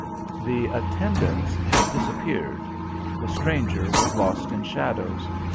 The attendants had disappeared, the stranger was lost in shadows.